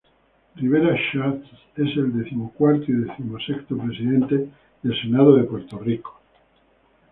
Rivera Schatz es el decimocuarto y decimosexto Presidente del Senado de Puerto Rico.